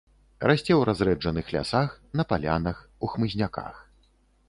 Расце ў разрэджаных лясах, на палянах, у хмызняках.